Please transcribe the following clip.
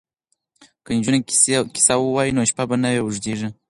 که نجونې کیسه ووايي نو شپه به نه وي اوږده.